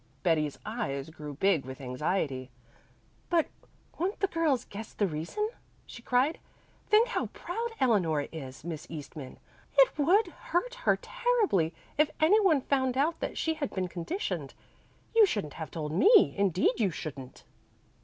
Betty's eyes grew big with anxiety. "But won't the girls guess the reason?" she cried. "Think how proud Eleanor is, Miss Eastman. It would hurt her terribly if any one found out that she had been conditioned. You shouldn't have told me indeed you shouldn't!"